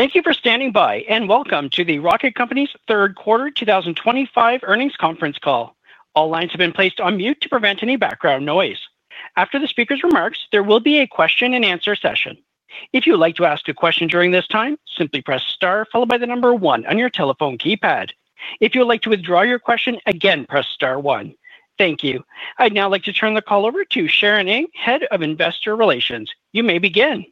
Thank you for standing by, and welcome to the Rocket Companies Third Quarter 2025 Earnings Conference Call. All lines have been placed on mute to prevent any background noise. After the speaker's remarks, there will be a question-and-answer session. If you'd like to ask a question during this time, simply press Star followed by the number one on your telephone keypad. If you would like to withdraw your question, again press Star one. Thank you. I'd now like to turn the call over to Sharon Ng, Head of Investor Relations. You may begin.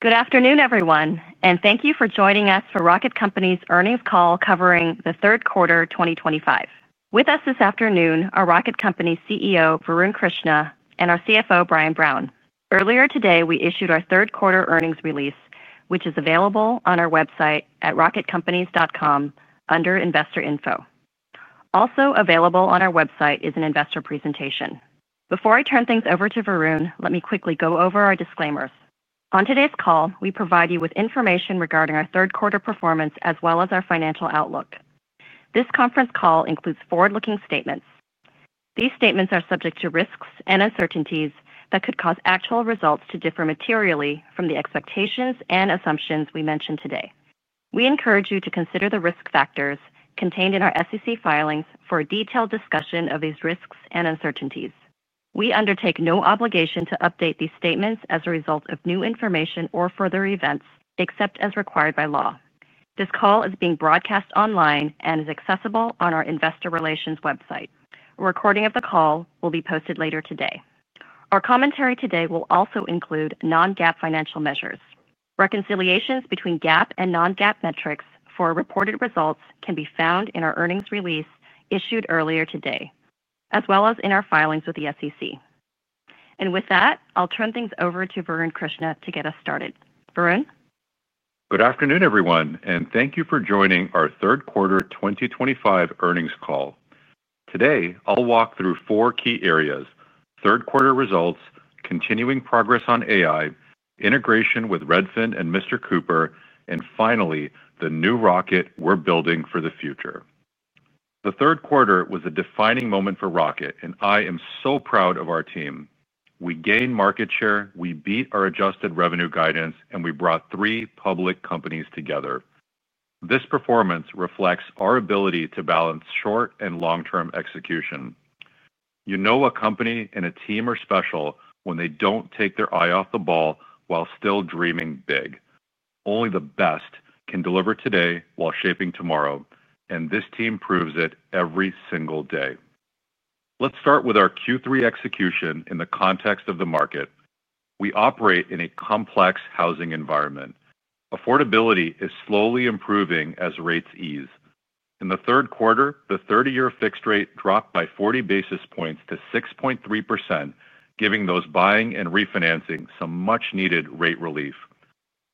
Good afternoon, everyone, and thank you for joining us for Rocket Companies' Earnings Call covering the Third Quarter 2025. With us this afternoon are Rocket Companies CEO Varun Krishna and our CFO Brian Brown. Earlier today, we issued our Third Quarter Earnings release, which is available on our website at rocketcompanies.com under Investor Info. Also available on our website is an investor presentation. Before I turn things over to Varun, let me quickly go over our disclaimers. On today's call, we provide you with information regarding our third quarter performance as well as our financial outlook. This conference call includes forward-looking statements. These statements are subject to risks and uncertainties that could cause actual results to differ materially from the expectations and assumptions we mentioned today. We encourage you to consider the risk factors contained in our SEC filings for a detailed discussion of these risks and uncertainties. We undertake no obligation to update these statements as a result of new information or further events, except as required by law. This call is being broadcast online and is accessible on our Investor Relations website. A recording of the call will be posted later today. Our commentary today will also include non-GAAP financial measures. Reconciliations between GAAP and non-GAAP metrics for reported results can be found in our earnings release issued earlier today, as well as in our filings with the SEC. With that, I'll turn things over to Varun Krishna to get us started. Varun. Good afternoon, everyone, and thank you for joining our Third Quarter 2025 Earnings Call. Today, I'll walk through four key areas: third quarter results, continuing progress on AI, integration with Redfin and Mr. Cooper, and finally, the new rocket we're building for the future. The third quarter was a defining moment for Rocket, and I am so proud of our team. We gained market share, we beat our adjusted revenue guidance, and we brought three public companies together. This performance reflects our ability to balance short and long-term execution. You know a company and a team are special when they don't take their eye off the ball while still dreaming big. Only the best can deliver today while shaping tomorrow, and this team proves it every single day. Let's start with our Q3 execution in the context of the market. We operate in a complex housing environment. Affordability is slowly improving as rates ease. In the third quarter, the 30-year fixed rate dropped by 40 basis points to 6.3%, giving those buying and refinancing some much-needed rate relief.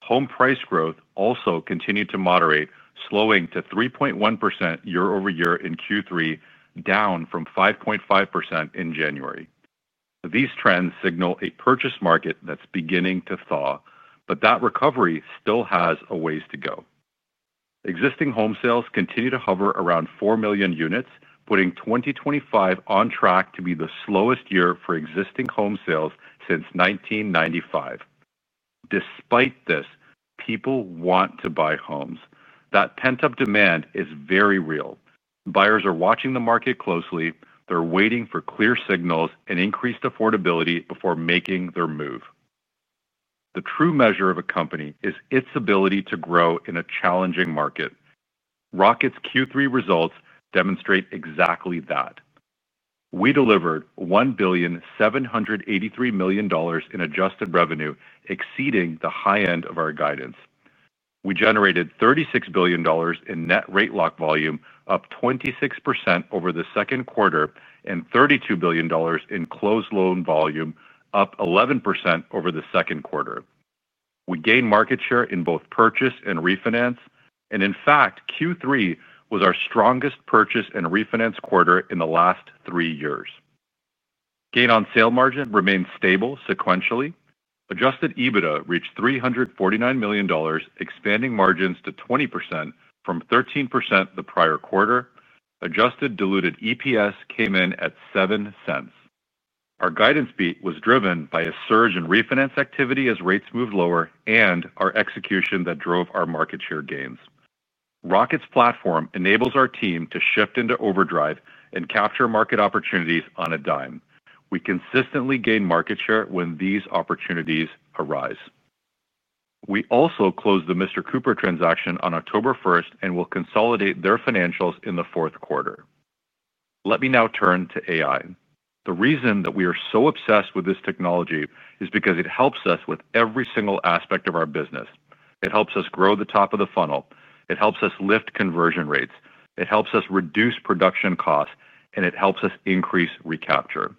Home price growth also continued to moderate, slowing to 3.1% year-over-year in Q3, down from 5.5% in January. These trends signal a purchase market that's beginning to thaw, but that recovery still has a ways to go. Existing home sales continue to hover around 4 million units, putting 2025 on track to be the slowest year for existing home sales since 1995. Despite this, people want to buy homes. That pent-up demand is very real. Buyers are watching the market closely. They're waiting for clear signals and increased affordability before making their move. The true measure of a company is its ability to grow in a challenging market. Rocket's Q3 results demonstrate exactly that. We delivered $1,783 million in adjusted revenue, exceeding the high end of our guidance. We generated $36 billion in net rate lock volume, up 26% over the second quarter, and $32 billion in closed loan volume, up 11% over the second quarter. We gained market share in both purchase and refinance, and in fact, Q3 was our strongest purchase and refinance quarter in the last three years. Gain on sale margin remained stable sequentially. Adjusted EBITDA reached $349 million, expanding margins to 20% from 13% the prior quarter. Adjusted diluted EPS came in at $0.07. Our guidance beat was driven by a surge in refinance activity as rates moved lower and our execution that drove our market share gains. Rocket's platform enables our team to shift into overdrive and capture market opportunities on a dime. We consistently gain market share when these opportunities arise. We also closed the Mr. Cooper transaction on October 1 and will consolidate their financials in the fourth quarter. Let me now turn to AI. The reason that we are so obsessed with this technology is because it helps us with every single aspect of our business. It helps us grow the top of the funnel. It helps us lift conversion rates. It helps us reduce production costs, and it helps us increase recapture.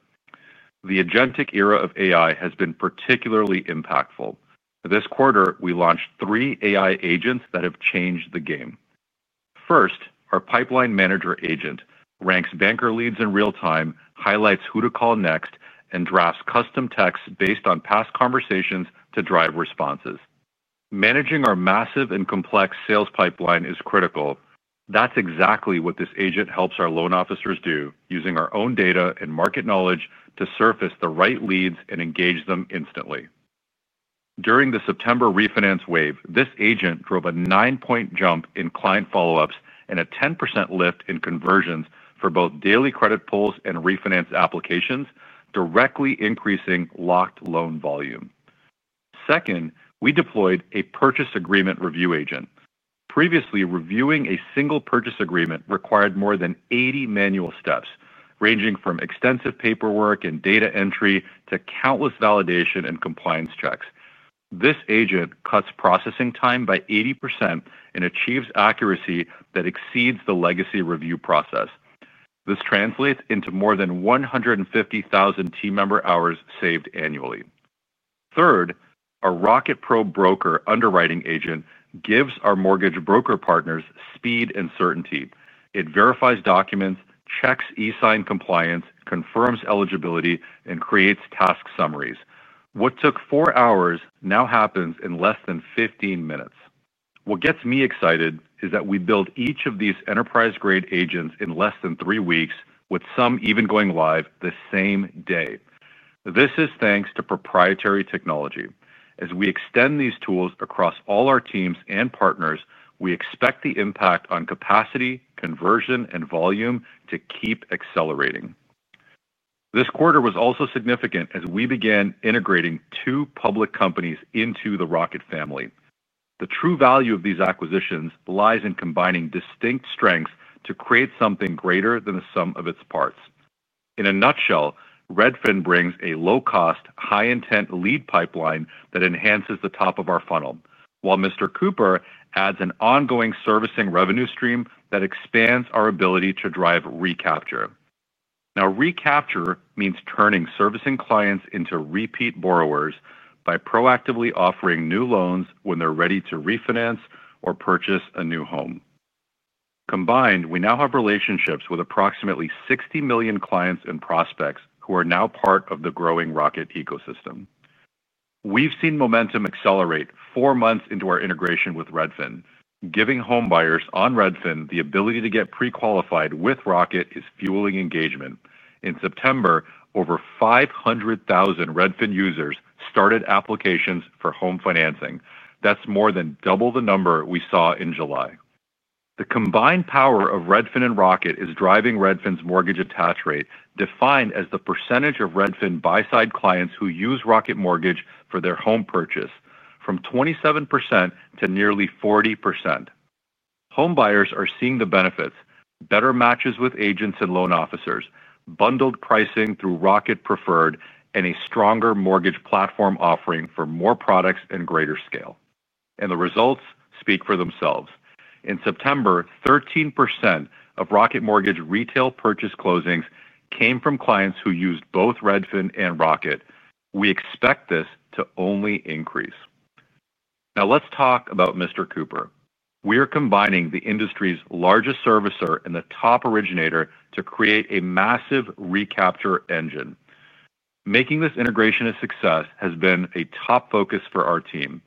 The agentic era of AI has been particularly impactful. This quarter, we launched three AI agents that have changed the game. First, our Pipeline Manager agent ranks banker leads in real time, highlights who to call next, and drafts custom texts based on past conversations to drive responses. Managing our massive and complex sales pipeline is critical. That's exactly what this agent helps our loan officers do, using our own data and market knowledge to surface the right leads and engage them instantly. During the September refinance wave, this agent drove a nine-point jump in client follow-ups and a 10% lift in conversions for both daily credit pulls and refinance applications, directly increasing locked loan volume. Second, we deployed a Purchase Agreement Review agent. Previously, reviewing a single purchase agreement required more than 80 manual steps, ranging from extensive paperwork and data entry to countless validation and compliance checks. This agent cuts processing time by 80% and achieves accuracy that exceeds the legacy review process. This translates into more than 150,000 team member hours saved annually. Third, our Rocket Pro Broker underwriting agent gives our mortgage broker partners speed and certainty. It verifies documents, checks e-sign compliance, confirms eligibility, and creates task summaries. What took four hours now happens in less than 15 minutes. What gets me excited is that we build each of these enterprise-grade agents in less than three weeks, with some even going live the same day. This is thanks to proprietary technology. As we extend these tools across all our teams and partners, we expect the impact on capacity, conversion, and volume to keep accelerating. This quarter was also significant as we began integrating two public companies into the Rocket family. The true value of these acquisitions lies in combining distinct strengths to create something greater than the sum of its parts. In a nutshell, Redfin brings a low-cost, high-intent lead pipeline that enhances the top of our funnel, while Mr. Cooper adds an ongoing servicing revenue stream that expands our ability to drive recapture. Now, recapture means turning servicing clients into repeat borrowers by proactively offering new loans when they're ready to refinance or purchase a new home. Combined, we now have relationships with approximately 60 million clients and prospects who are now part of the growing Rocket ecosystem. We've seen momentum accelerate four months into our integration with Redfin. Giving home buyers on Redfin the ability to get pre-qualified with Rocket is fueling engagement. In September, over 500,000 Redfin users started applications for home financing. That's more than double the number we saw in July. The combined power of Redfin and Rocket is driving Redfin's mortgage attach rate, defined as the percentage of Redfin buy-side clients who use Rocket Mortgage for their home purchase, from 27% to nearly 40%. Home buyers are seeing the benefits: better matches with agents and loan officers, bundled pricing through Rocket Preferred, and a stronger mortgage platform offering for more products and greater scale. The results speak for themselves. In September, 13% of Rocket Mortgage retail purchase closings came from clients who used both Redfin and Rocket. We expect this to only increase. Now, let's talk about Mr. Cooper. We are combining the industry's largest servicer and the top originator to create a massive recapture engine. Making this integration a success has been a top focus for our team.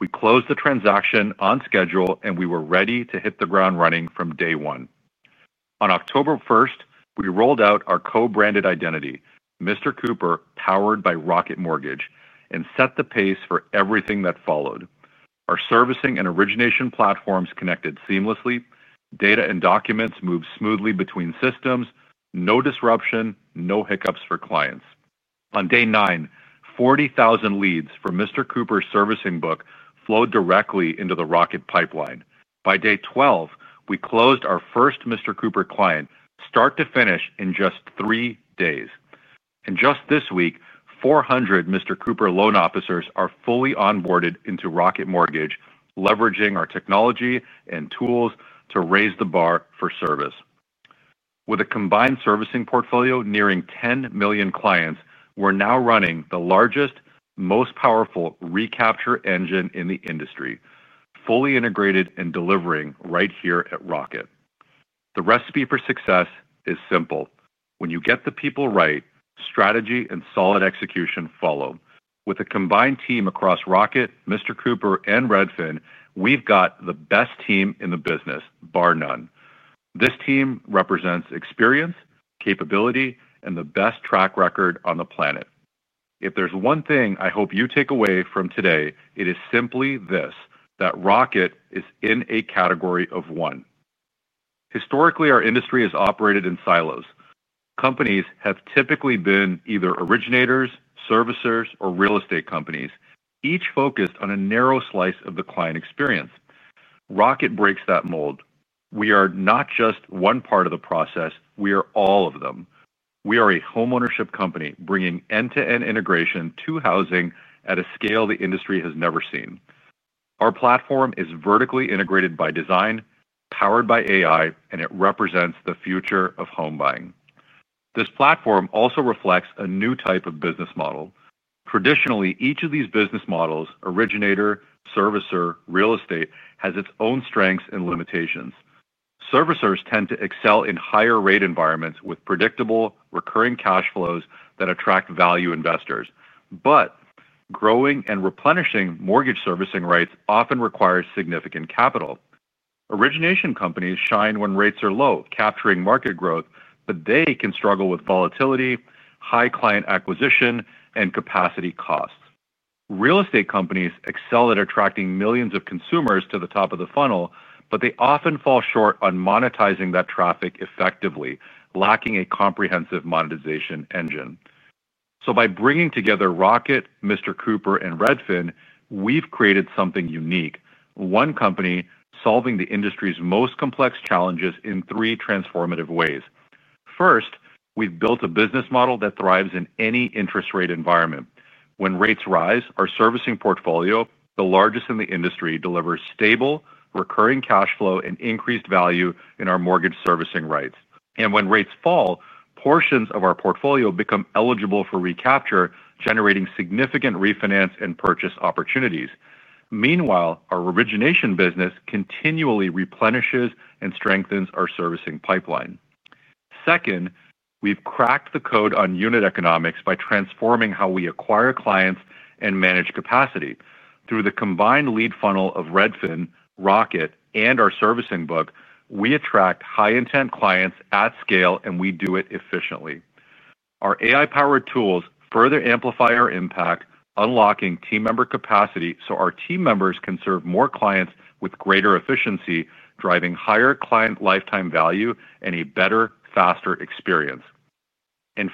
We closed the transaction on schedule, and we were ready to hit the ground running from day one. On October 1st, we rolled out our co-branded identity, Mr. Cooper, powered by Rocket Mortgage, and set the pace for everything that followed. Our servicing and origination platforms connected seamlessly. Data and documents moved smoothly between systems. No disruption, no hiccups for clients. On day nine, 40,000 leads from Mr. Cooper's servicing book flowed directly into the Rocket pipeline. By day 12, we closed our first Mr. Cooper client, start to finish, in just three days. Just this week, 400 Mr. Cooper loan officers are fully onboarded into Rocket Mortgage, leveraging our technology and tools to raise the bar for service. With a combined servicing portfolio nearing 10 million clients, we're now running the largest, most powerful recapture engine in the industry, fully integrated and delivering right here at Rocket. The recipe for success is simple. When you get the people right, strategy and solid execution follow. With a combined team across Rocket, Mr. Cooper, and Redfin, we've got the best team in the business, bar none. This team represents experience, capability, and the best track record on the planet. If there's one thing I hope you take away from today, it is simply this: that Rocket is in a category of one. Historically, our industry has operated in silos. Companies have typically been either originators, servicers, or real estate companies, each focused on a narrow slice of the client experience. Rocket breaks that mold. We are not just one part of the process. We are all of them. We are a homeownership company bringing end-to-end integration to housing at a scale the industry has never seen. Our platform is vertically integrated by design, powered by AI, and it represents the future of home buying. This platform also reflects a new type of business model. Traditionally, each of these business models, originator, servicer, real estate, has its own strengths and limitations. Servicers tend to excel in higher rate environments with predictable, recurring cash flows that attract value investors. Growing and replenishing mortgage servicing rates often require significant capital. Origination companies shine when rates are low, capturing market growth, but they can struggle with volatility, high client acquisition, and capacity costs. Real estate companies excel at attracting millions of consumers to the top of the funnel, but they often fall short on monetizing that traffic effectively, lacking a comprehensive monetization engine. By bringing together Rocket, Mr. Cooper, and Redfin, we've created something unique: one company solving the industry's most complex challenges in three transformative ways. First, we've built a business model that thrives in any interest rate environment. When rates rise, our servicing portfolio, the largest in the industry, delivers stable, recurring cash flow and increased value in our mortgage servicing rights. When rates fall, portions of our portfolio become eligible for recapture, generating significant refinance and purchase opportunities. Meanwhile, our origination business continually replenishes and strengthens our servicing pipeline. Second, we've cracked the code on unit economics by transforming how we acquire clients and manage capacity. Through the combined lead funnel of Redfin, Rocket, and our servicing book, we attract high-intent clients at scale, and we do it efficiently. Our AI-powered tools further amplify our impact, unlocking team member capacity so our team members can serve more clients with greater efficiency, driving higher client lifetime value and a better, faster experience.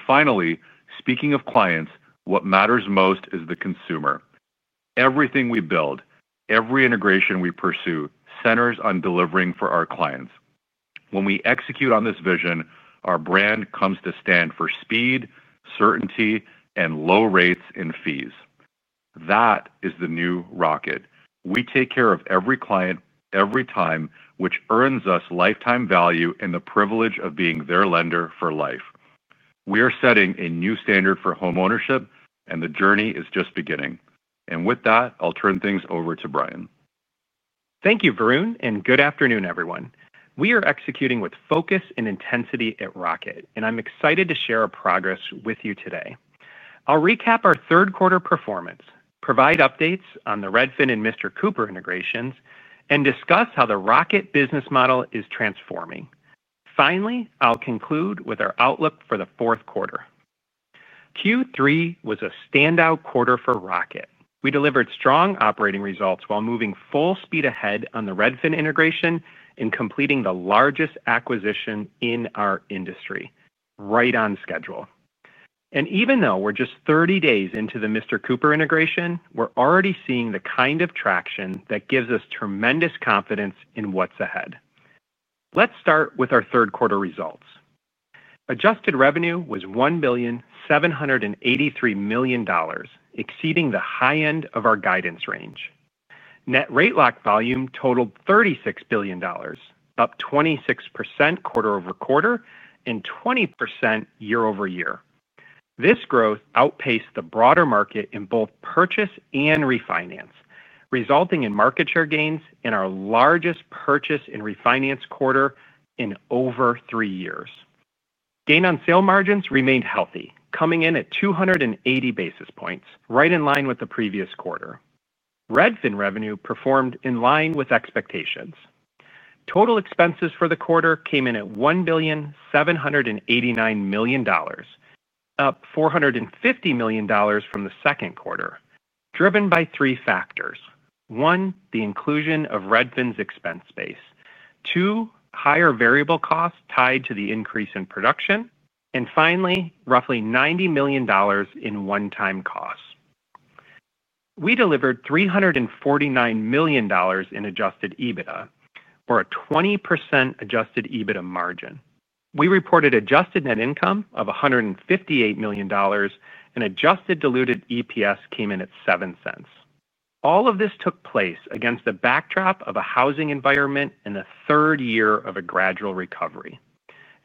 Finally, speaking of clients, what matters most is the consumer. Everything we build, every integration we pursue, centers on delivering for our clients. When we execute on this vision, our brand comes to stand for speed, certainty, and low rates and fees. That is the new Rocket. We take care of every client every time, which earns us lifetime value and the privilege of being their lender for life. We are setting a new standard for homeownership, and the journey is just beginning. With that, I'll turn things over to Brian. Thank you, Varun, and good afternoon, everyone. We are executing with focus and intensity at Rocket, and I'm excited to share our progress with you today. I'll recap our third quarter performance, provide updates on the Redfin and Mr. Cooper integrations, and discuss how the Rocket business model is transforming. Finally, I'll conclude with our outlook for the fourth quarter. Q3 was a standout quarter for Rocket. We delivered strong operating results while moving full speed ahead on the Redfin integration and completing the largest acquisition in our industry, right on schedule. Even though we're just 30 days into the Mr. Cooper integration, we're already seeing the kind of traction that gives us tremendous confidence in what's ahead. Let's start with our third quarter results. Adjusted revenue was $1,783 million, exceeding the high end of our guidance range. Net rate lock volume totaled $36 billion, up 26% quarter-over-quarter and 20% year-over-year. This growth outpaced the broader market in both purchase and refinance, resulting in market share gains in our largest purchase and refinance quarter in over three years. Gain on sale margins remained healthy, coming in at 280 basis points, right in line with the previous quarter. Redfin revenue performed in line with expectations. Total expenses for the quarter came in at $1,789 million, up $450 million from the second quarter, driven by three factors. One, the inclusion of Redfin's expense base. Two, higher variable costs tied to the increase in production. Finally, roughly $90 million in one-time costs. We delivered $349 million in adjusted EBITDA, or a 20% adjusted EBITDA margin. We reported adjusted net income of $158 million, and adjusted diluted EPS came in at $0.07. All of this took place against the backdrop of a housing environment and a third year of a gradual recovery.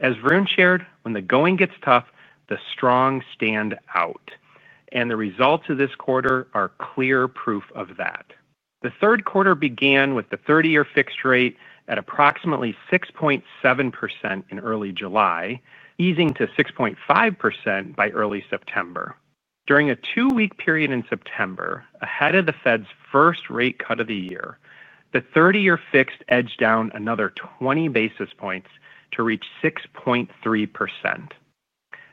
As Varun shared, when the going gets tough, the strong stand out. The results of this quarter are clear proof of that. The third quarter began with the 30-year fixed rate at approximately 6.7% in early July, easing to 6.5% by early September. During a two-week period in September, ahead of the Fed's first rate cut of the year, the 30-year fixed edged down another 20 basis points to reach 6.3%.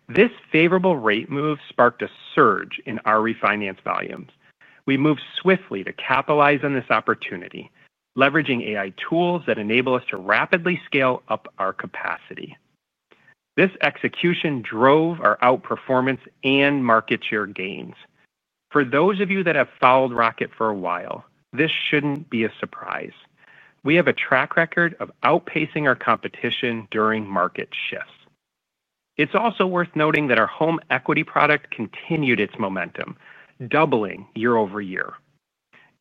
This favorable rate move sparked a surge in our refinance volumes. We moved swiftly to capitalize on this opportunity, leveraging AI tools that enable us to rapidly scale up our capacity. This execution drove our outperformance and market share gains. For those of you that have followed Rocket Companies for a while, this shouldn't be a surprise. We have a track record of outpacing our competition during market shifts. It's also worth noting that our home equity product continued its momentum, doubling year-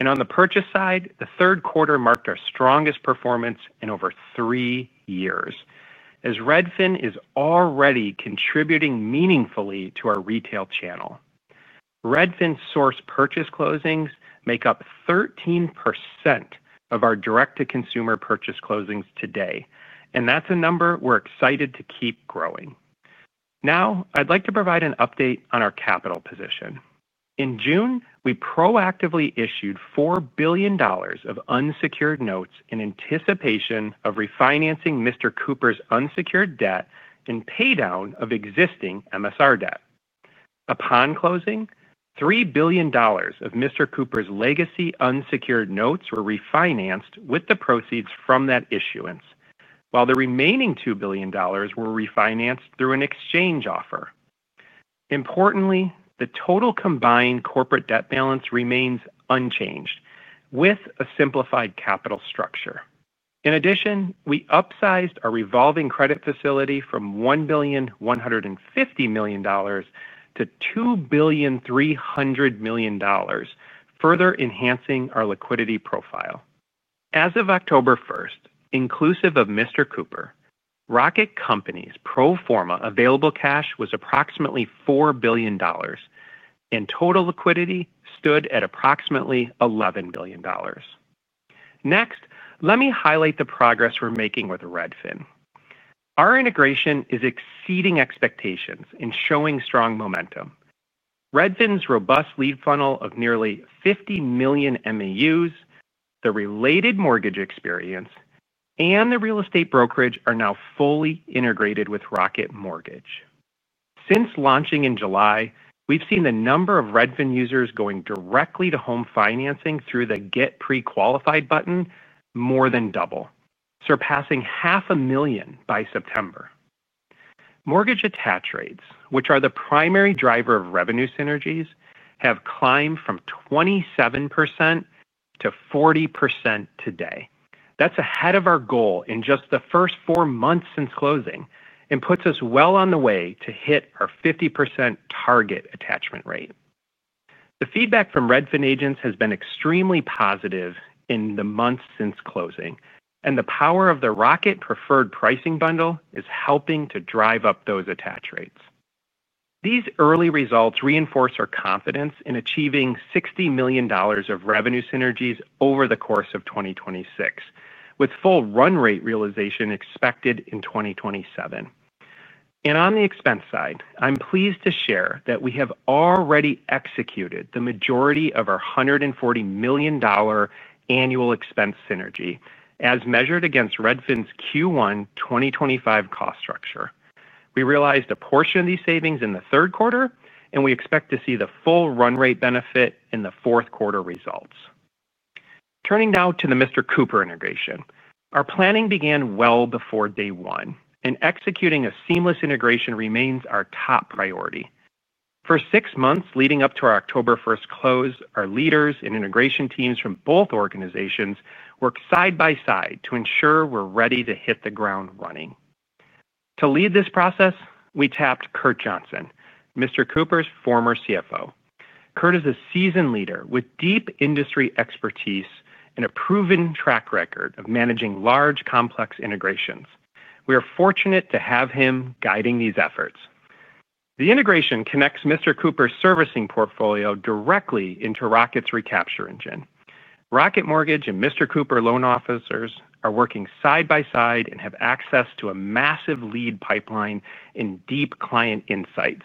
over-year. On the purchase side, the third quarter marked our strongest performance in over three years, as Redfin is already contributing meaningfully to our retail channel. Redfin's source purchase closings make up 13% of our direct-to-consumer purchase closings today, and that's a number we're excited to keep growing. Now, I'd like to provide an update on our capital position. In June, we proactively issued $4 billion of unsecured notes in anticipation of refinancing Mr. Cooper's unsecured debt and paydown of existing MSR debt. Upon closing, $3 billion of Mr. Cooper's legacy unsecured notes were refinanced with the proceeds from that issuance, while the remaining $2 billion were refinanced through an exchange offer. Importantly, the total combined corporate debt balance remains unchanged, with a simplified capital structure. In addition, we upsized our revolving credit facility from $1,150 million-$2,300 million, further enhancing our liquidity profile. As of October 1st, inclusive of Mr. With Mr. Cooper, Rocket Companies' pro forma available cash was approximately $4 billion, and total liquidity stood at approximately $11 billion. Next, let me highlight the progress we're making with Redfin. Our integration is exceeding expectations and showing strong momentum. Redfin's robust lead funnel of nearly 50 million MAUs, the related mortgage experience, and the real estate brokerage are now fully integrated with Rocket Mortgage. Since launching in July, we've seen the number of Redfin users going directly to home financing through the Get Pre-Qualified button more than double, surpassing half a million by September. Mortgage attach rates, which are the primary driver of revenue synergies, have climbed from 27%-40% today. That's ahead of our goal in just the first four months since closing and puts us well on the way to hit our 50% target attachment rate. The feedback from Redfin agents has been extremely positive in the months since closing, and the power of the Rocket Preferred Pricing bundle is helping to drive up those attach rates. These early results reinforce our confidence in achieving $60 million of revenue synergies over the course of 2026, with full run rate realization expected in 2027. On the expense side, I'm pleased to share that we have already executed the majority of our $140 million annual expense synergy as measured against Redfin's Q1 2025 cost structure. We realized a portion of these savings in the third quarter, and we expect to see the full run rate benefit in the fourth quarter results. Turning now to the Mr. Cooper integration, our planning began well before day one, and executing a seamless integration remains our top priority. For six months leading up to our October 1 close, our leaders and integration teams from both organizations worked side by side to ensure we're ready to hit the ground running. To lead this process, we tapped Kurt Johnson, Mr. Cooper's former CFO. Kurt is a seasoned leader with deep industry expertise and a proven track record of managing large, complex integrations. We are fortunate to have him guiding these efforts. The integration connects Mr. Cooper's servicing portfolio directly into Rocket's recapture engine. Rocket Mortgage and Mr. Cooper loan officers are working side by side and have access to a massive lead pipeline and deep client insights.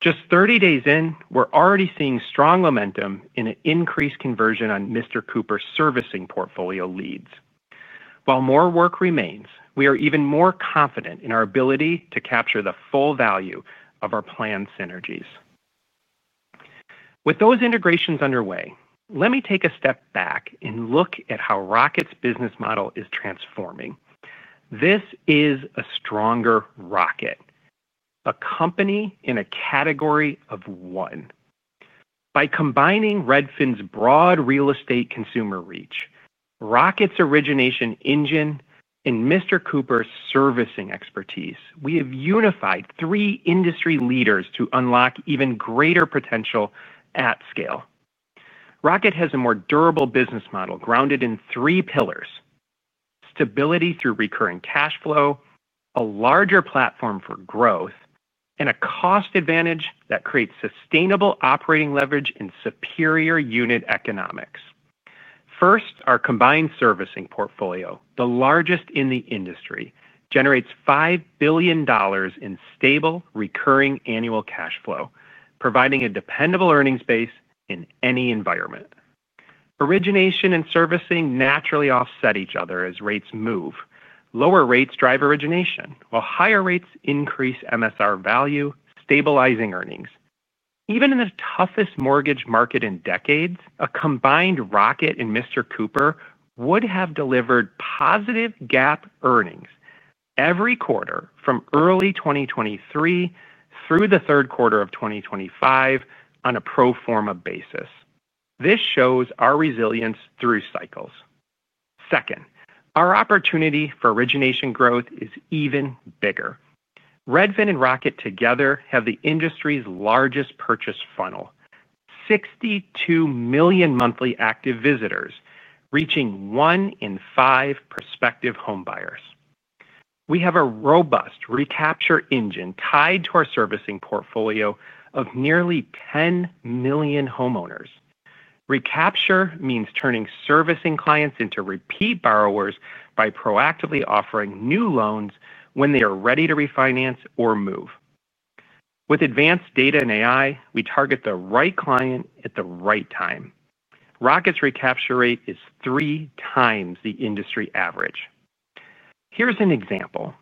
Just 30 days in, we're already seeing strong momentum in an increased conversion on Mr. Cooper's servicing portfolio leads. While more work remains, we are even more confident in our ability to capture the full value of our planned synergies. With those integrations underway, let me take a step back and look at how Rocket's business model is transforming. This is a stronger Rocket. A company in a category of one. By combining Redfin's broad real estate consumer reach, Rocket's origination engine, and Mr. Cooper's servicing expertise, we have unified three industry leaders to unlock even greater potential at scale. Rocket has a more durable business model grounded in three pillars: stability through recurring cash flow, a larger platform for growth, and a cost advantage that creates sustainable operating leverage and superior unit economics. First, our combined servicing portfolio, the largest in the industry, generates $5 billion in stable, recurring annual cash flow, providing a dependable earnings base in any environment. Origination and servicing naturally offset each other as rates move. Lower rates drive origination, while higher rates increase MSR value, stabilizing earnings. Even in the toughest mortgage market in decades, a combined Rocket and Mr. Cooper would have delivered positive GAAP earnings every quarter from early 2023 through the third quarter of 2025 on a pro forma basis. This shows our resilience through cycles. Second, our opportunity for origination growth is even bigger. Redfin and Rocket together have the industry's largest purchase funnel: 62 million monthly active visitors, reaching one in five prospective homebuyers. We have a robust recapture engine tied to our servicing portfolio of nearly 10 million homeowners. Recapture means turning servicing clients into repeat borrowers by proactively offering new loans when they are ready to refinance or move. With advanced data and AI, we target the right client at the right time. Rocket's recapture rate is three times the industry average. Here's an example.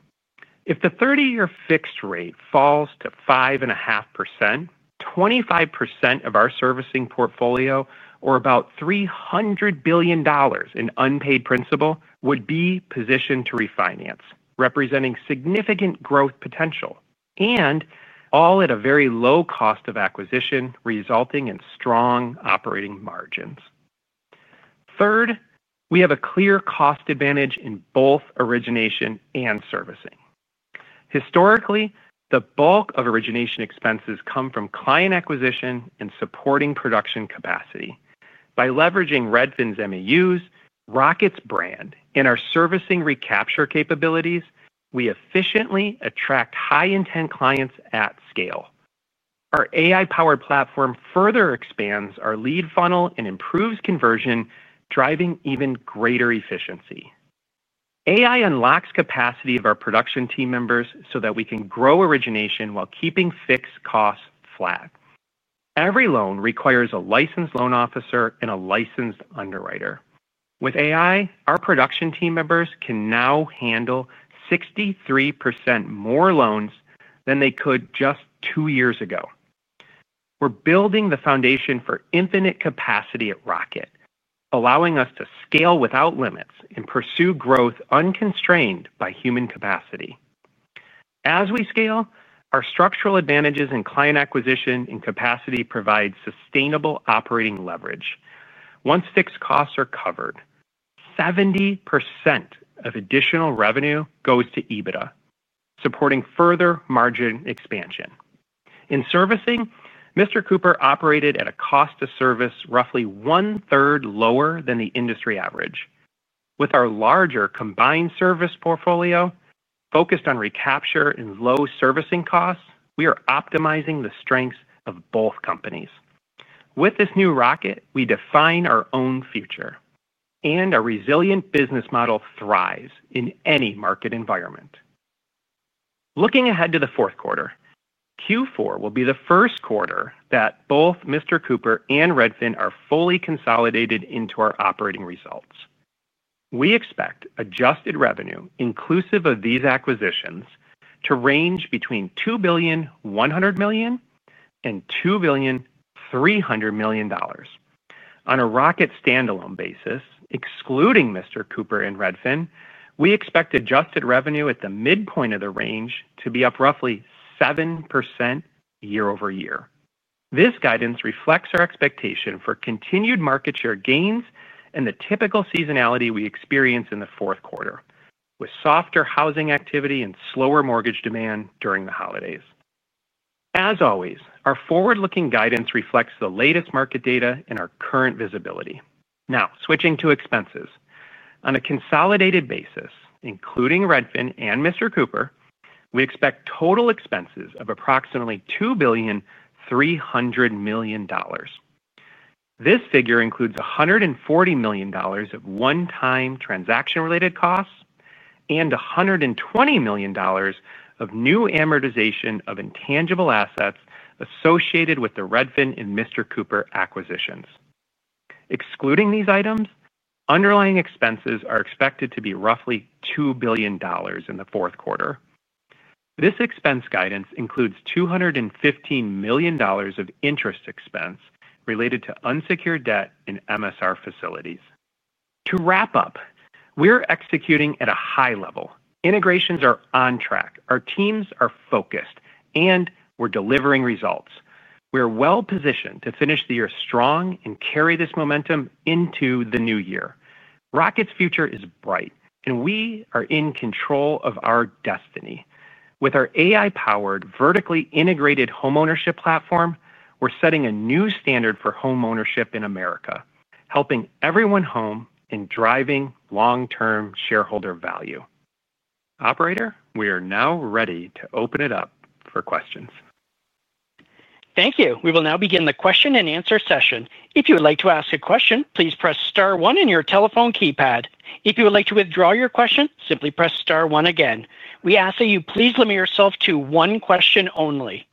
If the 30-year fixed rate falls to 5.5%, 25% of our servicing portfolio, or about $300 billion in unpaid principal, would be positioned to refinance, representing significant growth potential, and all at a very low cost of acquisition, resulting in strong operating margins. Third, we have a clear cost advantage in both origination and servicing. Historically, the bulk of origination expenses come from client acquisition and supporting production capacity. By leveraging Redfin's MAUs, Rocket's brand, and our servicing recapture capabilities, we efficiently attract high-intent clients at scale. Our AI-powered platform further expands our lead funnel and improves conversion, driving even greater efficiency. AI unlocks capacity of our production team members so that we can grow origination while keeping fixed costs flat. Every loan requires a licensed loan officer and a licensed underwriter. With AI, our production team members can now handle 63% more loans than they could just two years ago. We're building the foundation for infinite capacity at Rocket, allowing us to scale without limits and pursue growth unconstrained by human capacity. As we scale, our structural advantages in client acquisition and capacity provide sustainable operating leverage. Once fixed costs are covered, 70% of additional revenue goes to EBITDA, supporting further margin expansion. In servicing, Mr. Cooper operated at a cost of service roughly one-third lower than the industry average. With our larger combined servicing portfolio focused on recapture and low servicing costs, we are optimizing the strengths of both companies. With this new Rocket, we define our own future, and our resilient business model thrives in any market environment. Looking ahead to the fourth quarter, Q4 will be the first quarter that both Mr. Cooper and Redfin are fully consolidated into our operating results. We expect adjusted revenue, inclusive of these acquisitions, to range between $2 billion and $2.3 billion. On a Rocket standalone basis, excluding Mr. Cooper and Redfin, we expect adjusted revenue at the midpoint of the range to be up roughly 7% year- over-year. This guidance reflects our expectation for continued market share gains and the typical seasonality we experience in the fourth quarter, with softer housing activity and slower mortgage demand during the holidays. As always, our forward-looking guidance reflects the latest market data and our current visibility. Now, switching to expenses. On a consolidated basis, including Redfin and Mr. Cooper, we expect total expenses of approximately $2.3 billion. This figure includes $140 million of one-time transaction-related costs and $120 million of new amortization of intangible assets associated with the Redfin and Mr. Cooper acquisitions. Excluding these items, underlying expenses are expected to be roughly $2 billion in the fourth quarter. This expense guidance includes $215 million of interest expense related to unsecured debt and MSR facilities. To wrap up, we're executing at a high level. Integrations are on track. Our teams are focused, and we're delivering results. We're well-positioned to finish the year strong and carry this momentum into the new year. Rocket's future is bright, and we are in control of our destiny. With our AI-powered, vertically integrated homeownership platform, we're setting a new standard for homeownership in America, helping everyone home and driving long-term shareholder value. Operator, we are now ready to open it up for questions. Thank you. We will now begin the question and answer session. If you would like to ask a question, please press Star one on your telephone keypad. If you would like to withdraw your question, simply press star one again. We ask that you please limit yourself to one question only.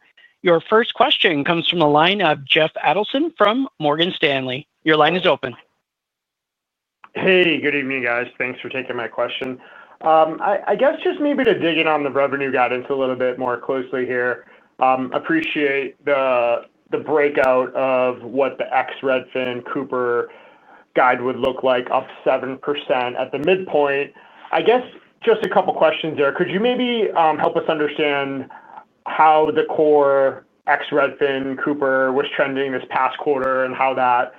Your first question comes from the line of Jeff Adelson from Morgan Stanley. Your line is open. Hey, good evening, guys. Thanks for taking my question. I guess just maybe to dig in on the revenue guidance a little bit more closely here. Appreciate the breakout of what the ex-Redfin Cooper guide would look like of 7% at the midpoint. I guess just a couple of questions there. Could you maybe help us understand how the core ex-Redfin Cooper was trending this past quarter and how that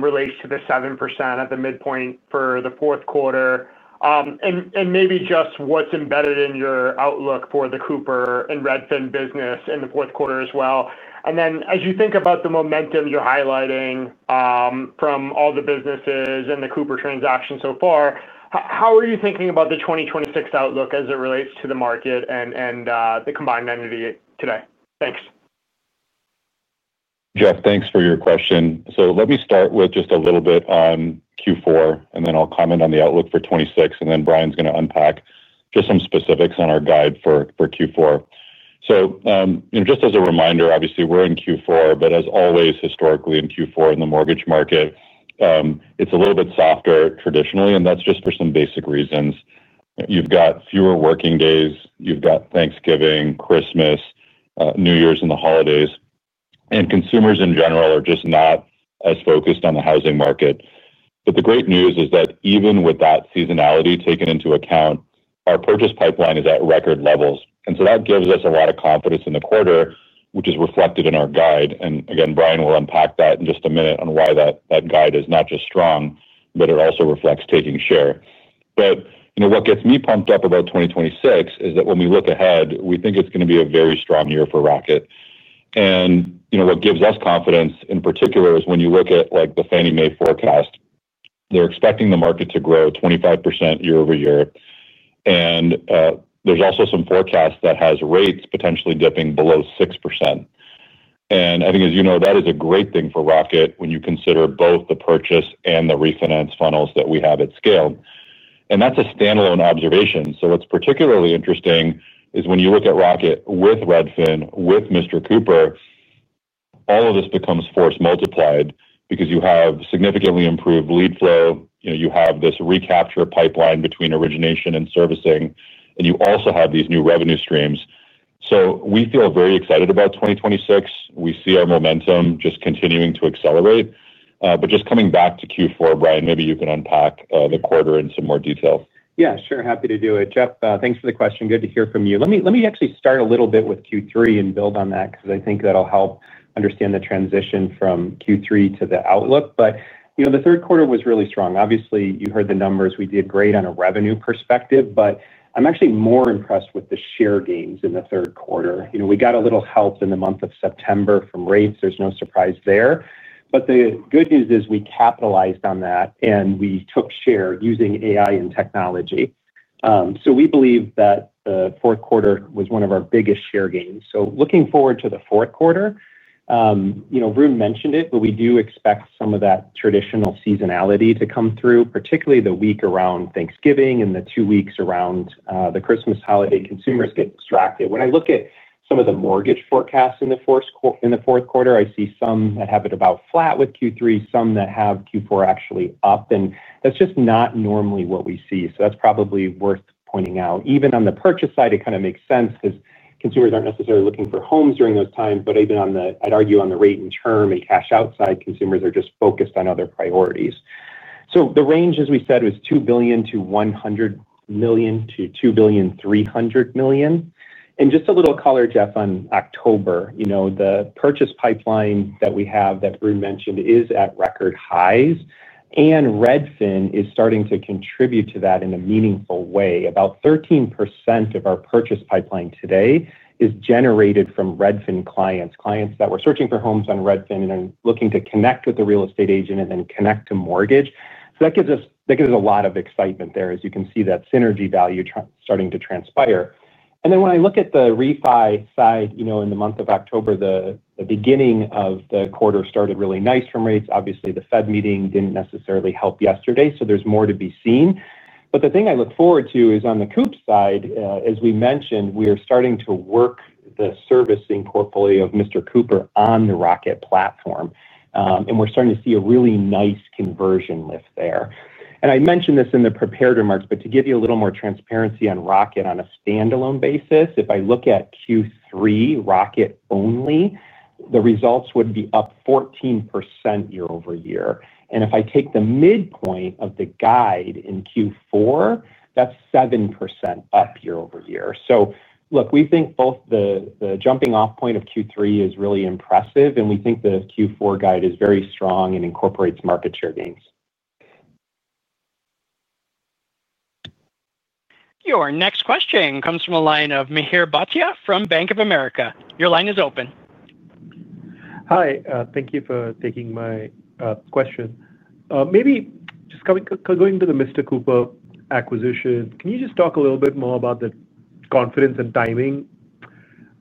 relates to the 7% at the midpoint for the fourth quarter? Maybe just what's embedded in your outlook for the Cooper and Redfin business in the fourth quarter as well. As you think about the momentum you're highlighting from all the businesses and the Cooper transactions so far, how are you thinking about the 2026 outlook as it relates to the market and the combined entity today? Thanks. Jeff, thanks for your question. Let me start with just a little bit on Q4, and then I'll comment on the outlook for 2026, and then Brian's going to unpack just some specifics on our guide for Q4. Just as a reminder, obviously, we're in Q4, but as always, historically in Q4 in the mortgage market, it's a little bit softer traditionally, and that's just for some basic reasons. You've got fewer working days. You've got Thanksgiving, Christmas, New Year's, and the holidays. Consumers in general are just not as focused on the housing market. The great news is that even with that seasonality taken into account, our purchase pipeline is at record levels. That gives us a lot of confidence in the quarter, which is reflected in our guide. Brian will unpack that in just a minute on why that guide is not just strong, but it also reflects taking share. What gets me pumped up about 2026 is that when we look ahead, we think it's going to be a very strong year for Rocket. What gives us confidence in particular is when you look at the Fannie Mae forecast. They're expecting the market to grow 25% year- over-year. There's also some forecast that has rates potentially dipping below 6%. I think, as you know, that is a great thing for Rocket when you consider both the purchase and the refinance funnels that we have at scale. That's a standalone observation. What's particularly interesting is when you look at Rocket with Redfin, with Mr. Cooper. All of this becomes force multiplied because you have significantly improved lead flow. You have this recapture pipeline between origination and servicing, and you also have these new revenue streams. We feel very excited about 2026. We see our momentum just continuing to accelerate. Coming back to Q4, Brian, maybe you can unpack the quarter in some more detail. Yeah, sure. Happy to do it. Jeff, thanks for the question. Good to hear from you. Let me actually start a little bit with Q3 and build on that because I think that'll help understand the transition from Q3 to the outlook. The third quarter was really strong. Obviously, you heard the numbers. We did great on a revenue perspective, but I'm actually more impressed with the share gains in the third quarter. We got a little help in the month of September from rates. There's no surprise there. The good news is we capitalized on that, and we took share using AI and technology. We believe that the fourth quarter was one of our biggest share gains. Looking forward to the fourth quarter, Varun mentioned it, but we do expect some of that traditional seasonality to come through, particularly the week around Thanksgiving and the two weeks around the Christmas holiday. Consumers get distracted. When I look at some of the mortgage forecasts in the fourth quarter, I see some that have it about flat with Q3, some that have Q4 actually up. That's just not normally what we see. That's probably worth pointing out. Even on the purchase side, it kind of makes sense because consumers aren't necessarily looking for homes during those times, but even on the, I'd argue, on the rate and term and cash out side, consumers are just focused on other priorities. The range, as we said, was $2 billion-$100 million-$2 billion-$300 million. Just a little color, Jeff, on October. The purchase pipeline that we have that Varun mentioned is at record highs, and Redfin is starting to contribute to that in a meaningful way. About 13% of our purchase pipeline today is generated from Redfin clients, clients that were searching for homes on Redfin and then looking to connect with the real estate agent and then connect to mortgage. That gives us a lot of excitement there, as you can see that synergy value starting to transpire. When I look at the refi side, in the month of October, the beginning of the quarter started really nice from rates. Obviously, the Fed meeting didn't necessarily help yesterday, so there's more to be seen. The thing I look forward to is on the Cooper side, as we mentioned, we are starting to work the servicing portfolio of Mr. Cooper on the Rocket platform. We're starting to see a really nice conversion lift there. I mentioned this in the prepared remarks, but to give you a little more transparency on Rocket on a standalone basis, if I look at Q3, Rocket only, the results would be up 14% year- over-year. If I take the midpoint of the guide in Q4, that's 7% up year- over-year. We think both the jumping-off point of Q3 is really impressive, and we think the Q4 guide is very strong and incorporates market share gains. Your next question comes from a line of Mihir Bhatia from Bank of America. Your line is open. Hi. Thank you for taking my question. Maybe just going to the Mr. Cooper acquisition, can you just talk a little bit more about the confidence and timing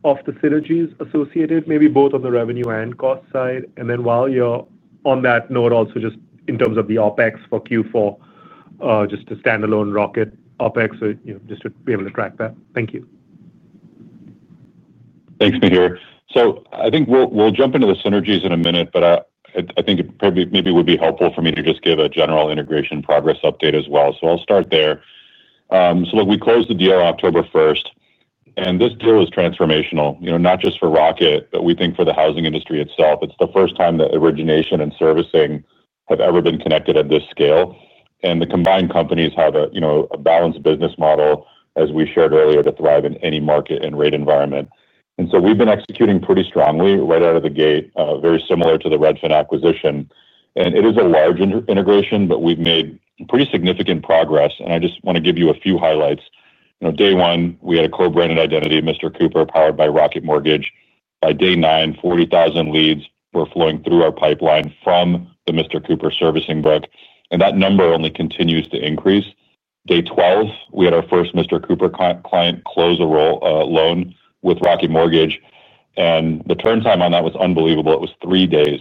of the synergies associated, maybe both on the revenue and cost side? While you're on that note, also just in terms of the OpEx for Q4. Just the standalone Rocket OpEx, just to be able to track that. Thank you. Thanks, Mihir. I think we'll jump into the synergies in a minute, but I think it probably maybe would be helpful for me to just give a general integration progress update as well. I'll start there. We closed the deal on October 1. This deal is transformational, not just for Rocket, but we think for the housing industry itself. It's the first time that origination and servicing have ever been connected at this scale. The combined companies have a balanced business model, as we shared earlier, to thrive in any market and rate environment. We've been executing pretty strongly right out of the gate, very similar to the Redfin acquisition. It is a large integration, but we've made pretty significant progress. I just want to give you a few highlights. Day one, we had a co-branded identity, Mr. Cooper, powered by Rocket Mortgage. By day nine, 40,000 leads were flowing through our pipeline from the Mr. Cooper servicing book, and that number only continues to increase. Day 12, we had our first Mr. Cooper client close a loan with Rocket Mortgage, and the turn time on that was unbelievable. It was three days.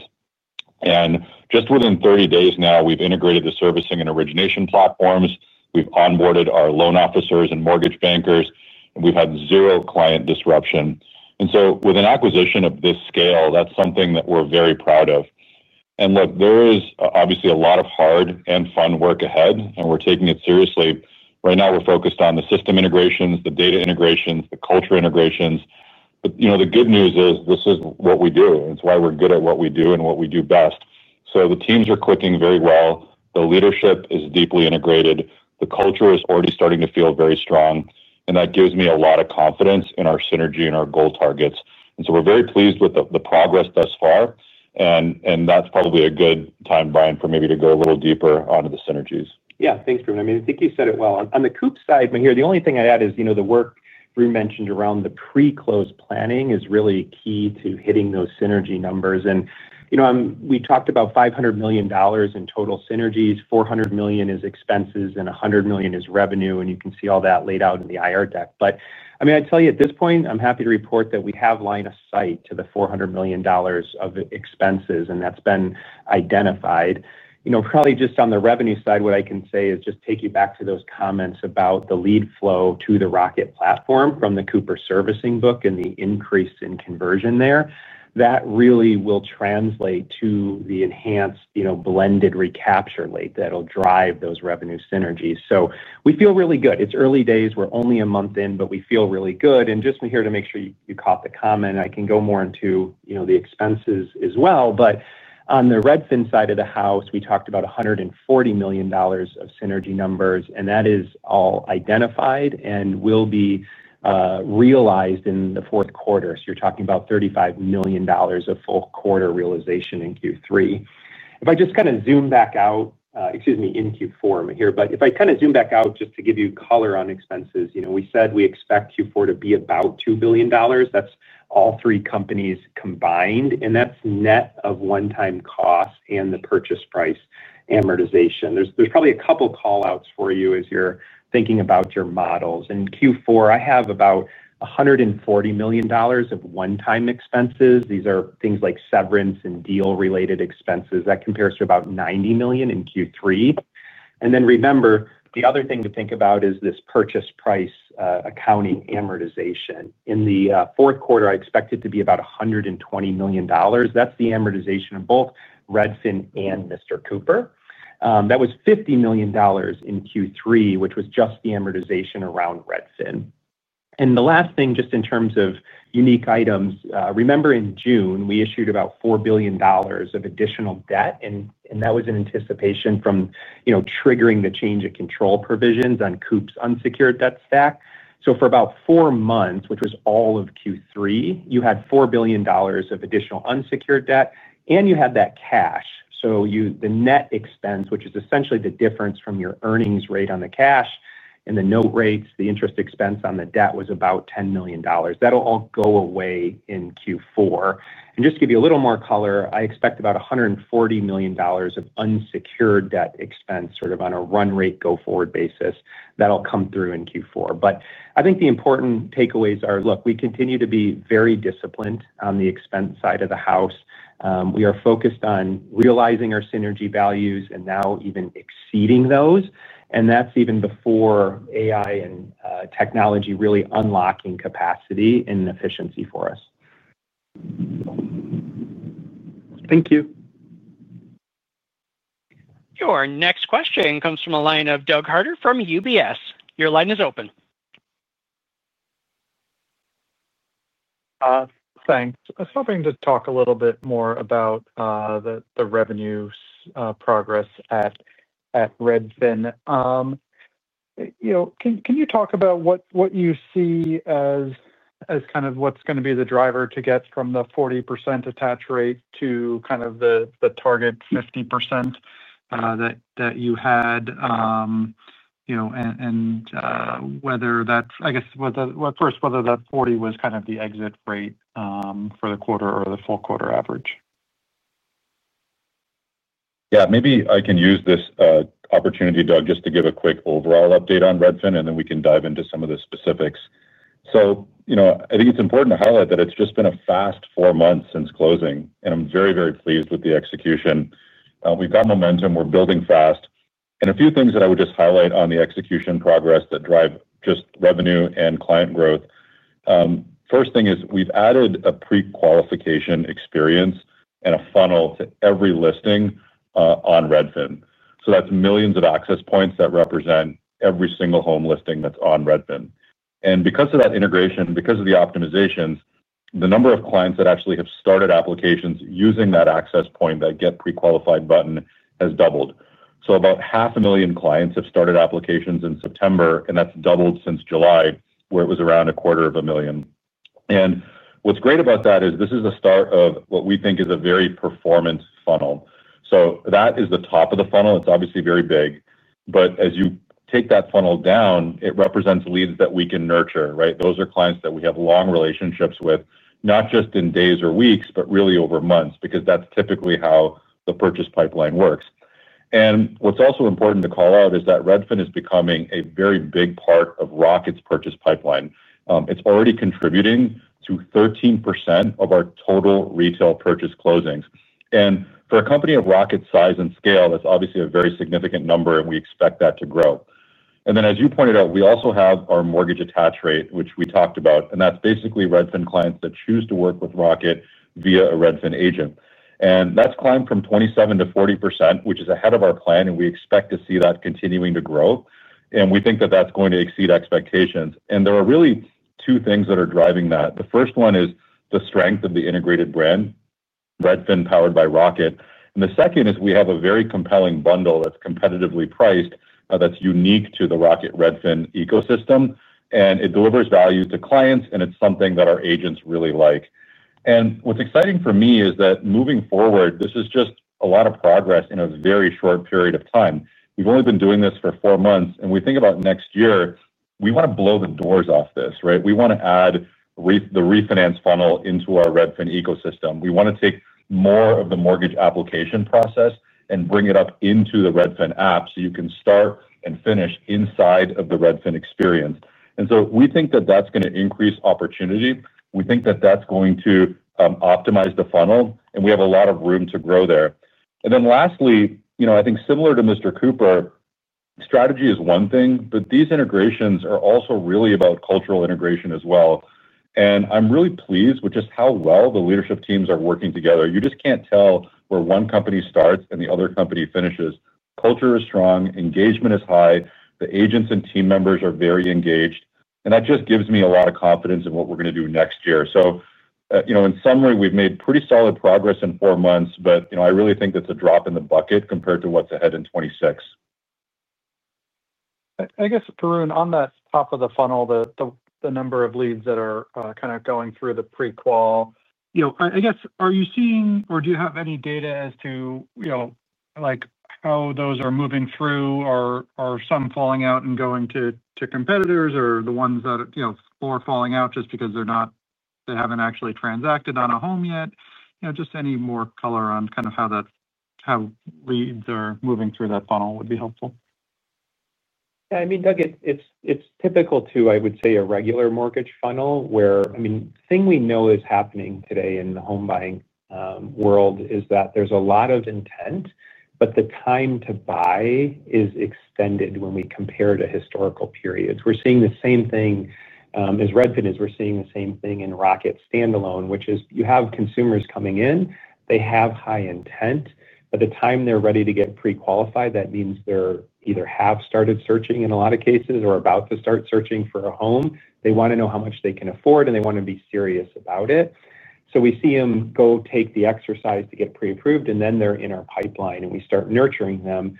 Within 30 days now, we've integrated the servicing and origination platforms, we've onboarded our loan officers and mortgage bankers, and we've had zero client disruption. With an acquisition of this scale, that's something that we're very proud of. There is obviously a lot of hard and fun work ahead, and we're taking it seriously. Right now, we're focused on the system integrations, the data integrations, the culture integrations. The good news is this is what we do. It's why we're good at what we do and what we do best. The teams are clicking very well. The leadership is deeply integrated. The culture is already starting to feel very strong, and that gives me a lot of confidence in our synergy and our goal targets. We're very pleased with the progress thus far. That's probably a good time, Brian, for maybe to go a little deeper onto the synergies. Yeah, thanks, Varun. I mean, I think you said it well. On the Cooper side, Mihir, the only thing I'd add is the work Varun mentioned around the pre-close planning is really key to hitting those synergy numbers. We talked about $500 million in total synergies. $400 million is expenses, and $100 million is revenue. You can see all that laid out in the IR deck. I'd tell you at this point, I'm happy to report that we have line of sight to the $400 million of expenses, and that's been identified. Just on the revenue side, what I can say is just take you back to those comments about the lead flow to the Rocket platform from the Cooper servicing book and the increase in conversion there. That really will translate to the enhanced blended recapture rate that'll drive those revenue synergies. We feel really good. It's early days. We're only a month in, but we feel really good. Just here to make sure you caught the comment, I can go more into the expenses as well. On the Redfin side of the house, we talked about $140 million of synergy numbers, and that is all identified and will be realized in the fourth quarter. You're talking about $35 million of full quarter realization in Q4, Mihir. If I kind of zoom back out just to give you color on expenses, we said we expect Q4 to be about $2 billion. That's all three companies combined, and that's net of one-time costs and the purchase price amortization. There are probably a couple of callouts for you as you're thinking about your models. In Q4, I have about $140 million of one-time expenses. These are things like severance and deal-related expenses. That compares to about $90 million in Q3. Remember, the other thing to think about is this purchase price accounting amortization. In the fourth quarter, I expect it to be about $120 million. That's the amortization of both Redfin and Mr. Cooper. That was $50 million in Q3, which was just the amortization around Redfin. The last thing, just in terms of unique items, remember in June, we issued about $4 billion of additional debt, and that was in anticipation of triggering the change of control provisions on Coop's unsecured debt stack. For about four months, which was all of Q3, you had $4 billion of additional unsecured debt, and you had that cash. The net expense, which is essentially the difference from your earnings rate on the cash and the note rates, the interest expense on the debt was about $10 million. That'll all go away in Q4. To give you a little more color, I expect about $140 million of unsecured debt expense sort of on a run rate go forward basis. That'll come through in Q4. I think the important takeaways are, we continue to be very disciplined on the expense side of the house. We are focused on realizing our synergy values and now even exceeding those. That's even before AI and technology really unlocking capacity and efficiency for us. Thank you. Your next question comes from a line of Doug Harter from UBS. Your line is open. Thanks. I was hoping to talk a little bit more about the revenue progress at Redfin. Can you talk about what you see as kind of what's going to be the driver to get from the 40% attach rate to the target 50% that you had, and whether that 40% was the exit rate for the quarter or the full quarter average? Maybe I can use this opportunity, Doug, just to give a quick overall update on Redfin, and then we can dive into some of the specifics. I think it's important to highlight that it's just been a fast four months since closing, and I'm very, very pleased with the execution. We've got momentum. We're building fast. A few things that I would just highlight on the execution progress that drive revenue and client growth. First thing is we've added a pre-qualification experience and a funnel to every listing on Redfin. That's millions of access points that represent every single home listing that's on Redfin. Because of that integration, because of the optimizations, the number of clients that actually have started applications using that access point, that get pre-qualified button, has doubled. About half a million clients have started applications in September, and that's doubled since July, where it was around a quarter of a million. What's great about that is this is the start of what we think is a very performance funnel. That is the top of the funnel. It's obviously very big. As you take that funnel down, it represents leads that we can nurture, right? Those are clients that we have long relationships with, not just in days or weeks, but really over months, because that's typically how the purchase pipeline works. What's also important to call out is that Redfin is becoming a very big part of Rocket's purchase pipeline. It's already contributing to 13% of our total retail purchase closings. For a company of Rocket size and scale, that's obviously a very significant number, and we expect that to grow. As you pointed out, we also have our mortgage attach rate, which we talked about, and that's basically Redfin clients that choose to work with Rocket via a Redfin agent. That's climbed from 27%-40%, which is ahead of our plan, and we expect to see that continuing to grow. We think that that's going to exceed expectations. There are really two things that are driving that. The first one is the strength of the integrated brand, Redfin powered by Rocket. The second is we have a very compelling bundle that's competitively priced, that's unique to the Rocket Redfin ecosystem. It delivers value to clients, and it's something that our agents really like. What's exciting for me is that moving forward, this is just a lot of progress in a very short period of time. We've only been doing this for four months, and when we think about next year, we want to blow the doors off this, right? We want to add the refinance funnel into our Redfin ecosystem. We want to take more of the mortgage application process and bring it up into the Redfin app so you can start and finish inside of the Redfin experience. We think that that's going to increase opportunity. We think that that's going to optimize the funnel, and we have a lot of room to grow there. Lastly, I think similar to Mr. Cooper, strategy is one thing, but these integrations are also really about cultural integration as well. I'm really pleased with just how well the leadership teams are working together. You just can't tell where one company starts and the other company finishes. Culture is strong. Engagement is high. The agents and team members are very engaged. That just gives me a lot of confidence in what we're going to do next year. In summary, we've made pretty solid progress in four months, but I really think that's a drop in the bucket compared to what's ahead in 2026. I guess, Varun, on that top of the funnel, the number of leads that are kind of going through the pre-qual, are you seeing or do you have any data as to how those are moving through? Are some falling out and going to competitors, or are the ones that are falling out just because they haven't actually transacted on a home yet? Any more color on how leads are moving through that funnel would be helpful. Yeah, I mean, Doug, it's typical to, I would say, a regular mortgage funnel where the thing we know is happening today in the home buying world is that there's a lot of intent, but the time to buy is extended when we compare to historical periods. We're seeing the same thing as Redfin is. We're seeing the same thing in Rocket standalone, which is you have consumers coming in. They have high intent. By the time they're ready to get pre-qualified, that means they either have started searching in a lot of cases or are about to start searching for a home. They want to know how much they can afford, and they want to be serious about it. We see them go take the exercise to get pre-approved, and then they're in our pipeline, and we start nurturing them.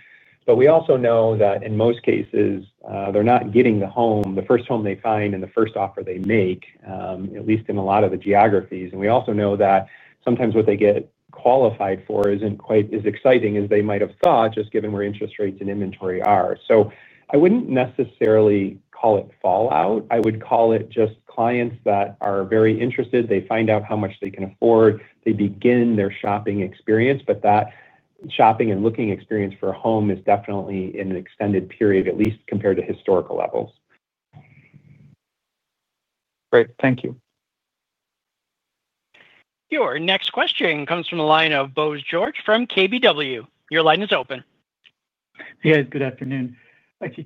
We also know that in most cases, they're not getting the home, the first home they find, and the first offer they make, at least in a lot of the geographies. We also know that sometimes what they get qualified for isn't quite as exciting as they might have thought, just given where interest rates and inventory are. I wouldn't necessarily call it fallout. I would call it just clients that are very interested. They find out how much they can afford. They begin their shopping experience, but that shopping and looking experience for a home is definitely in an extended period, at least compared to historical levels. Great. Thank you. Your next question comes from the line of Bose George from KBW. Your line is open. Hey, guys. Good afternoon.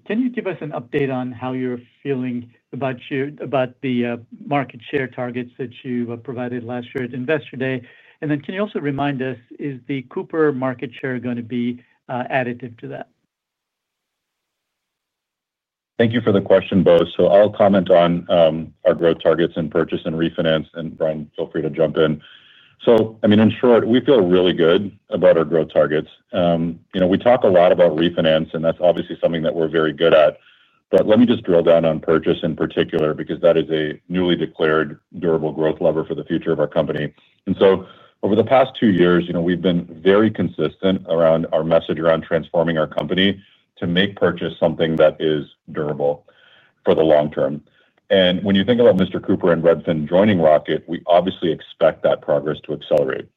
Can you give us an update on how you're feeling about the market share targets that you provided last year at Investor Day? Can you also remind us, is the Mr. Cooper market share going to be additive to that? Thank you for the question, Bose. I'll comment on our growth targets and purchase and refinance, and Brian, feel free to jump in. In short, we feel really good about our growth targets. We talk a lot about refinance, and that's obviously something that we're very good at. Let me just drill down on purchase in particular because that is a newly declared durable growth lever for the future of our company. Over the past two years, we've been very consistent around our message around transforming our company to make purchase something that is durable for the long term. When you think about Mr. Cooper and Redfin joining Rocket Companies, we obviously expect that progress to accelerate.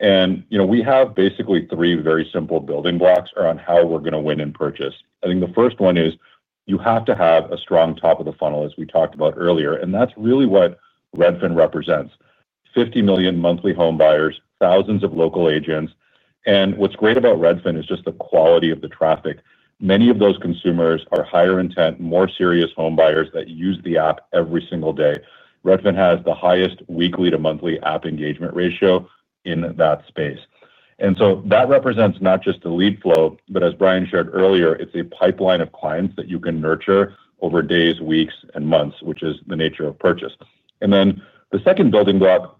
We have basically three very simple building blocks around how we're going to win in purchase. I think the first one is you have to have a strong top of the funnel, as we talked about earlier, and that's really what Redfin represents. 50 million monthly home buyers, thousands of local agents. What's great about Redfin is just the quality of the traffic. Many of those consumers are higher intent, more serious home buyers that use the app every single day. Redfin has the highest weekly to monthly app engagement ratio in that space. That represents not just the lead flow, but as Brian shared earlier, it's a pipeline of clients that you can nurture over days, weeks, and months, which is the nature of purchase. The second building block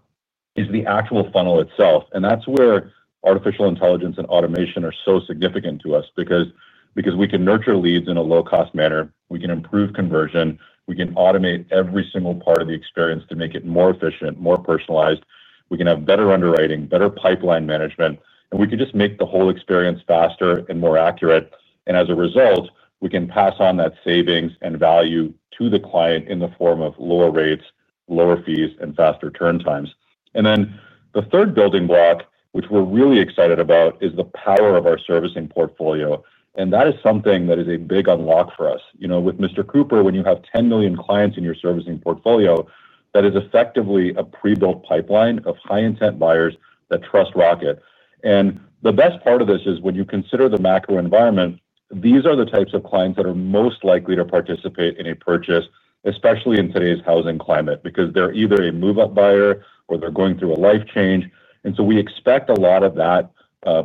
is the actual funnel itself. That is where artificial intelligence and automation are so significant to us because we can nurture leads in a low-cost manner. We can improve conversion. We can automate every single part of the experience to make it more efficient and more personalized. We can have better underwriting, better pipeline management, and we can make the whole experience faster and more accurate. As a result, we can pass on that savings and value to the client in the form of lower rates, lower fees, and faster turn times. The third building block, which we're really excited about, is the power of our servicing portfolio. That is something that is a big unlock for us. With Mr. Cooper, when you have 10 million clients in your servicing portfolio, that is effectively a pre-built pipeline of high-intent buyers that trust Rocket. The best part of this is when you consider the macro environment, these are the types of clients that are most likely to participate in a purchase, especially in today's housing climate, because they're either a move-up buyer or they're going through a life change. We expect a lot of that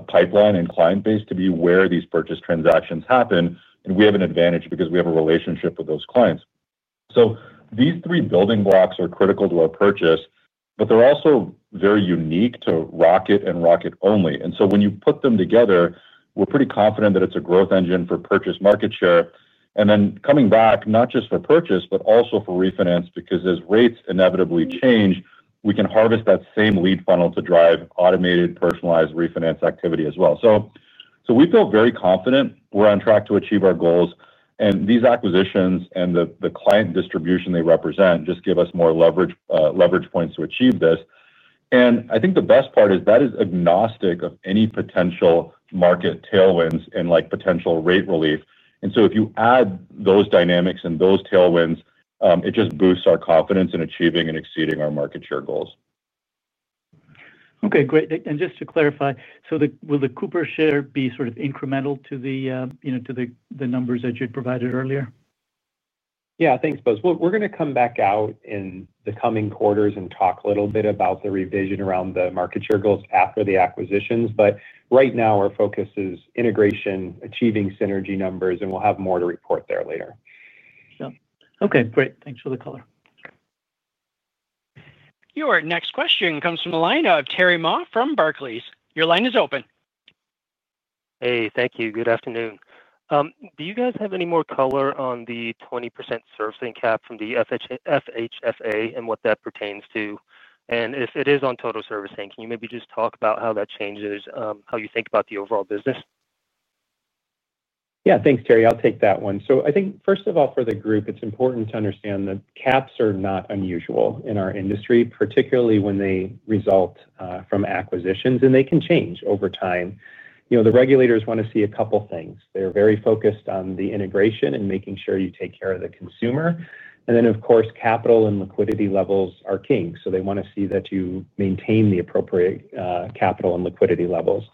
pipeline and client base to be where these purchase transactions happen. We have an advantage because we have a relationship with those clients. These three building blocks are critical to our purchase, but they're also very unique to Rocket and Rocket only. When you put them together, we're pretty confident that it's a growth engine for purchase market share. Coming back, not just for purchase, but also for refinance, because as rates inevitably change, we can harvest that same lead funnel to drive automated, personalized refinance activity as well. We feel very confident we're on track to achieve our goals. These acquisitions and the client distribution they represent just give us more leverage points to achieve this. The best part is that is agnostic of any potential market tailwinds and potential rate relief. If you add those dynamics and those tailwinds, it just boosts our confidence in achieving and exceeding our market share goals. Okay, great. Just to clarify, so will the Cooper share be sort of incremental to the. Numbers that you provided earlier? Yeah, thanks, Bose. We're going to come back out in the coming quarters and talk a little bit about the revision around the market share goals after the acquisitions. Right now, our focus is integration, achieving synergy numbers, and we'll have more to report there later. Okay, great. Thanks for the color. Your next question comes from the line of Terry Ma from Barclays. Your line is open. Hey, thank you. Good afternoon. Do you guys have any more color on the 20% servicing cap from the FHFA and what that pertains to? If it is on total servicing, can you maybe just talk about how that changes how you think about the overall business? Yeah, thanks, Terry. I'll take that one. I think, first of all, for the group, it's important to understand that caps are not unusual in our industry, particularly when they result from acquisitions, and they can change over time. The regulators want to see a couple of things. They're very focused on the integration and making sure you take care of the consumer. Of course, capital and liquidity levels are king. They want to see that you maintain the appropriate capital and liquidity levels.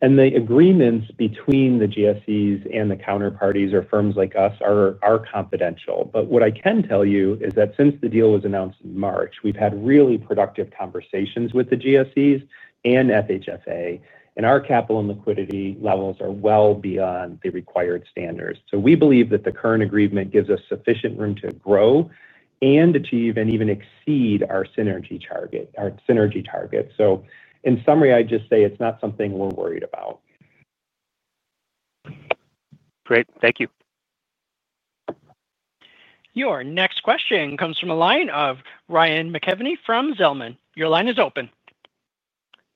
The agreements between the GSEs and the counterparties or firms like us are confidential. What I can tell you is that since the deal was announced in March, we've had really productive conversations with the GSEs and FHFA. Our capital and liquidity levels are well beyond the required standards. We believe that the current agreement gives us sufficient room to grow and achieve and even exceed our synergy target. In summary, I'd just say it's not something we're worried about. Great. Thank you. Your next question comes from the line of Ryan McKeveney from Zelman. Your line is open.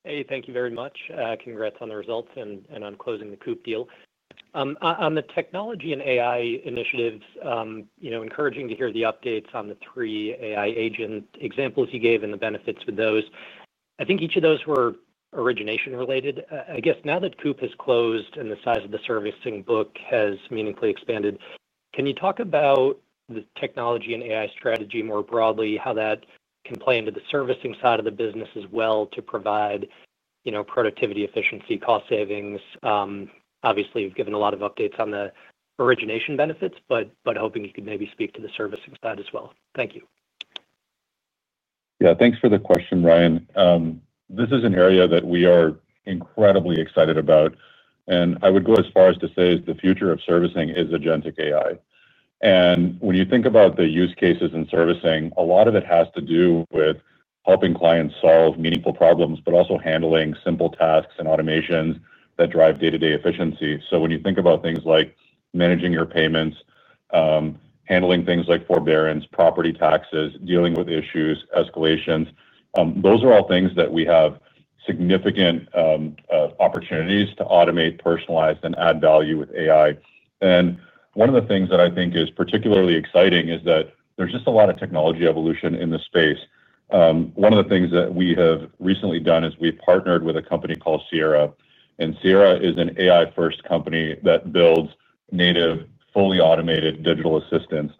Hey, thank you very much. Congrats on the results and on closing the Coop deal. On the technology and AI initiatives, encouraging to hear the updates on the three AI agent examples you gave and the benefits with those. I think each of those were origination-related. I guess now that Coop has closed and the size of the servicing book has meaningfully expanded, can you talk about the technology and AI strategy more broadly, how that can play into the servicing side of the business as well to provide productivity, efficiency, cost savings? Obviously, you've given a lot of updates on the origination benefits, but hoping you could maybe speak to the servicing side as well. Thank you. Yeah, thanks for the question, Ryan. This is an area that we are incredibly excited about. I would go as far as to say the future of servicing is agentic AI. When you think about the use cases in servicing, a lot of it has to do with helping clients solve meaningful problems, but also handling simple tasks and automations that drive day-to-day efficiency. When you think about things like managing your payments, handling things like forbearance, property taxes, dealing with issues, escalations, those are all things that we have significant opportunities to automate, personalize, and add value with AI. One of the things that I think is particularly exciting is that there's just a lot of technology evolution in the space. One of the things that we have recently done is we've partnered with a company called Sierra. Sierra is an AI-first company that builds native, fully automated digital assistants.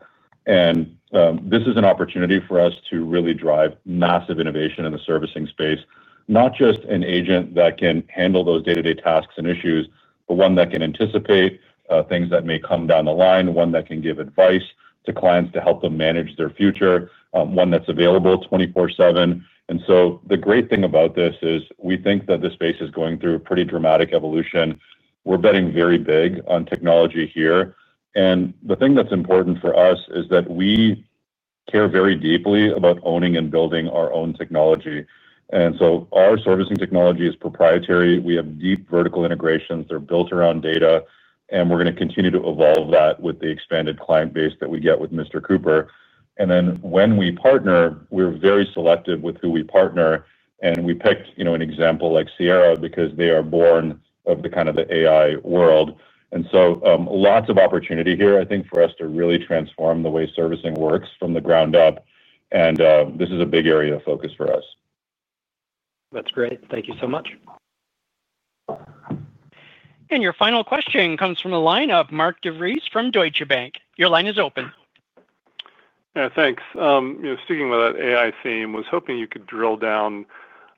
This is an opportunity for us to really drive massive innovation in the servicing space, not just an agent that can handle those day-to-day tasks and issues, but one that can anticipate things that may come down the line, one that can give advice to clients to help them manage their future, one that's available 24/7. The great thing about this is we think that this space is going through a pretty dramatic evolution. We're betting very big on technology here. The thing that's important for us is that we care very deeply about owning and building our own technology. Our servicing technology is proprietary. We have deep vertical integrations. They're built around data. We're going to continue to evolve that with the expanded client base that we get with Mr. Cooper. When we partner, we're very selective with who we partner. We picked an example like Sierra because they are born of the kind of AI world. Lots of opportunity here, I think, for us to really transform the way servicing works from the ground up. This is a big area of focus for us. That's great. Thank you so much. Your final question comes from the line of Mark DeVries from Deutsche Bank. Your line is open. Yeah, thanks. Speaking of that AI theme, I was hoping you could drill down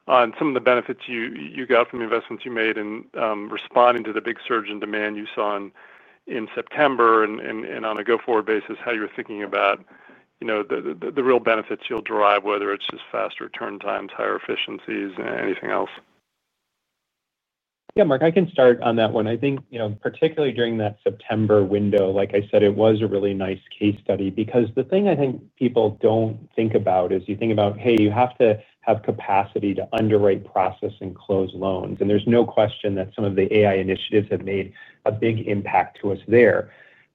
on some of the benefits you got from investments you made and responding to the big surge in demand you saw in September and on a go-forward basis, how you're thinking about. The real benefits you'll derive, whether it's just faster turn times, higher efficiencies, and anything else. Yeah, Mark, I can start on that one. I think particularly during that September window, like I said, it was a really nice case study because the thing I think people don't think about is you think about, hey, you have to have capacity to underwrite, process, and close loans. There's no question that some of the AI initiatives have made a big impact to us there.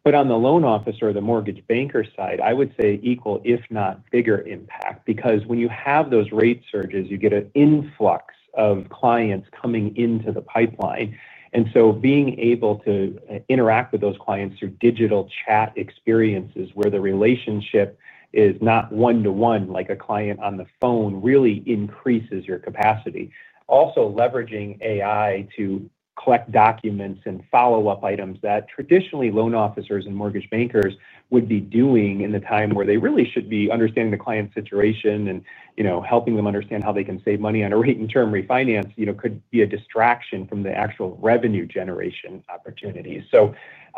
On the loan officer or the mortgage banker side, I would say equal, if not bigger impact, because when you have those rate surges, you get an influx of clients coming into the pipeline. Being able to interact with those clients through digital chat experiences where the relationship is not one-to-one, like a client on the phone, really increases your capacity. Also, leveraging AI to collect documents and follow-up items that traditionally loan officers and mortgage bankers would be doing in the time where they really should be understanding the client's situation and helping them understand how they can save money on a rate and term refinance could be a distraction from the actual revenue generation opportunities.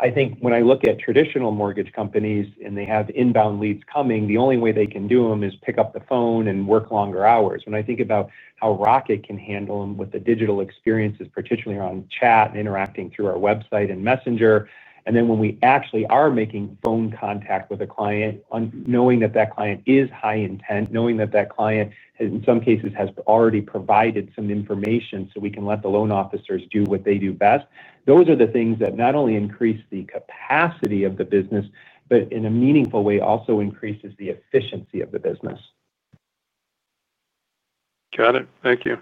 I think when I look at traditional mortgage companies and they have inbound leads coming, the only way they can do them is pick up the phone and work longer hours. When I think about how Rocket can handle them with the digital experiences, particularly around chat and interacting through our website and Messenger, and then when we actually are making phone contact with a client, knowing that that client is high intent, knowing that that client, in some cases, has already provided some information so we can let the loan officers do what they do best, those are the things that not only increase the capacity of the business, but in a meaningful way also increases the efficiency of the business. Got it. Thank you.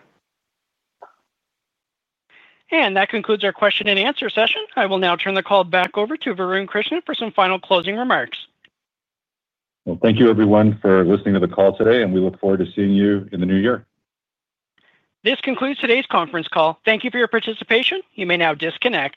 That concludes our question and answer session. I will now turn the call back over to Varun Krishna for some final closing remarks. Thank you, everyone, for listening to the call today, and we look forward to seeing you in the new year. This concludes today's conference call. Thank you for your participation. You may now disconnect.